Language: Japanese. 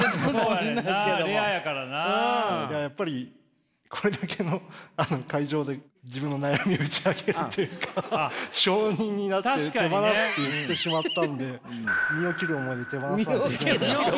いややっぱりこれだけの会場で自分の悩みを打ち明けるというか証人になって「手放す」って言ってしまったので身を切る思いで。